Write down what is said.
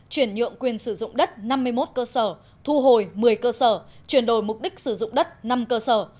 chuyển nhượng quyền sử dụng đất năm mươi một cơ sở thu hồi một mươi cơ sở chuyển đổi mục đích sử dụng đất năm cơ sở